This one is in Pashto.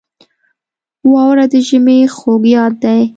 • واوره د ژمي خوږ یاد دی.